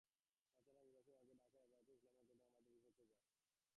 তা ছাড়া নির্বাচনের আগে ঢাকায় হেফাজতে ইসলামের ঘটনা আমাদের বিপক্ষে যায়।